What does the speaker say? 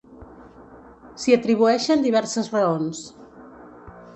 S'hi atribueixen diverses raons.